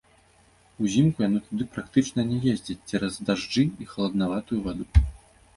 Узімку яны туды практычна не ездзяць цераз дажджы і халаднаватую ваду.